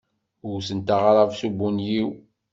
Wtent aɣrab s ubunyiw.